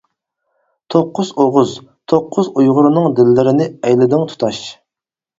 توققۇز ئوغۇز، توققۇز ئۇيغۇرنىڭ دىللىرىنى ئەيلىدىڭ تۇتاش.